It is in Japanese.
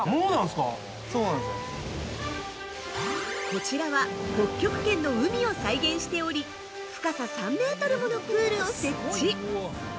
◆こちらは北極圏の海を再現しており深さ３メートルものプールを設置。